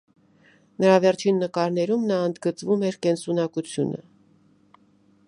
Նրա վերջին նկարներում նա ընդգծվում էր կենսունակությունը։